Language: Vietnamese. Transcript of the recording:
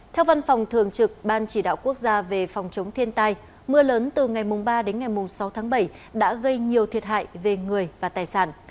theo văn phòng thường trực ban chỉ đạo quốc gia về phòng chống thiên tai mưa lớn từ ngày ba đến ngày sáu tháng bảy đã gây nhiều thiệt hại về người và tài sản